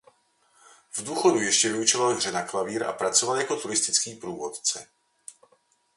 V důchodu ještě vyučoval hře na klavír a pracoval jako turistický průvodce.